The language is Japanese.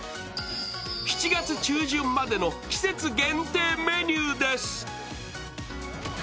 ７月中旬までの季節限定メニューです。